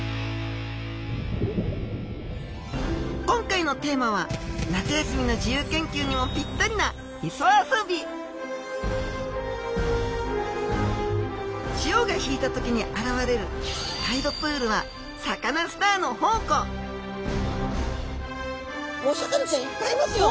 今回のテーマは夏休みの自由研究にもピッタリな潮が引いた時に現れるタイドプールはサカナスターの宝庫お魚ちゃんいっぱいいますよ！